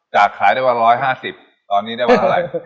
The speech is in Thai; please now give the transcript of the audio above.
จากขายได้ว่า๑๕๐ตอนนี้ได้ว่าอะไร